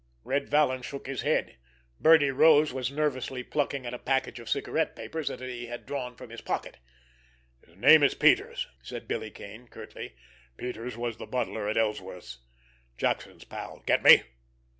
Red Vallon shook his head. Birdie Rose was nervously plucking at a package of cigarette papers that he had drawn from his pocket. "His name is Peters," said Billy Kane curtly. "Peters was the butler at Ellsworth's. Jackson's pal. Get me?